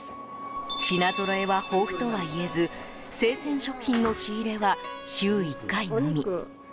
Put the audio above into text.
品ぞろえは豊富とはいえず生鮮食品の仕入れは週１回のみ。